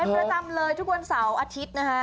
เป็นประจำเลยทุกวันเสาร์อาทิตย์นะคะ